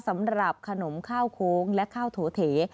สำหรับขนมข้าวโค้งและข้าวโถเถ